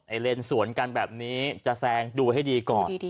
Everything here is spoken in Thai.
เลนสวนกันแบบนี้จะแซงดูให้ดีก่อน